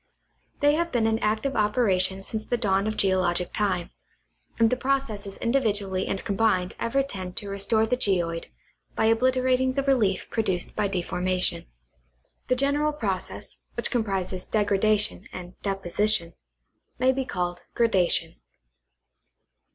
They have been in active operation since the dawn of geologic time, and the processes individually and combined ever tend to restore the geoid by obliterating the relief produced by deformation. The general process, which comprises degra dation and deposition, may be called gradation.